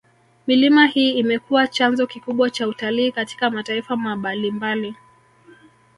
Milima hii imekuwa chanzo kikubwa cha utalii katika mataifa mabalimbali